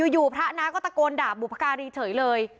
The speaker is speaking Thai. อยู่พระน้าก็ตะโกนด่าบุพการีเฉยเลย